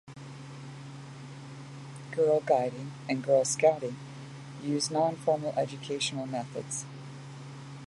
Girl Guiding and Girl Scouting uses non-formal educational methods.